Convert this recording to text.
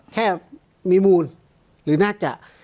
แค่มีมูลหรือน่าจะ